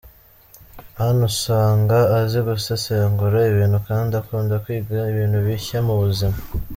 Anne usanga azi gusesengura ibintu kandi akunda kwiga ibintu bishya mu buzima.